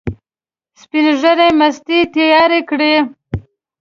سپین ږیري مستې تیارې کړې.